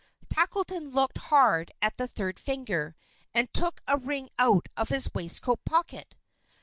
Tackleton looked hard at the third finger, and took a ring out of his waistcoat pocket.